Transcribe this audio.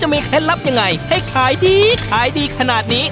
ให้รับยังไงให้ขายดีขายดีขนาดนี้